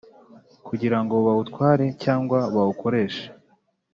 kugira ngo bawutware cyangwa bawukoreshe